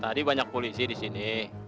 tadi banyak polisi di sini